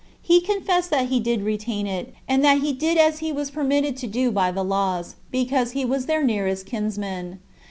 He confessed that he did retain it, and that he did as he was permitted to do by the laws, because he was their nearest kinsman.